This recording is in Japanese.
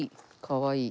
かわいい。